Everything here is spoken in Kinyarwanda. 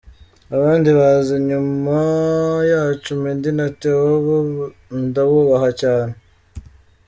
Abandi baza inyuma yacu, Meddy na Theo bo ndabubaha cyane.